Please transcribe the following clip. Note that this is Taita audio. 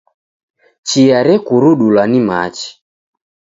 Chia rekurudulwa ni machi.